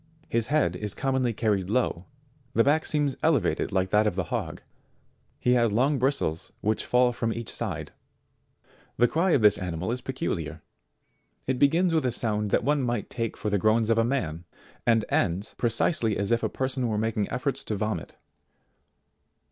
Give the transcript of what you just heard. His head is commonly carried low ; the back seems elevated like that of the hog; he has long bristles which fall from each side. t 69. The cry of this animal is peculiar : it begins with a sound that one might take for the groans of a man, and ends pre cisely as if a person were making efforts to vomit.